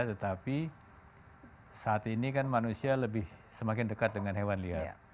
tetapi saat ini kan manusia lebih semakin dekat dengan hewan liar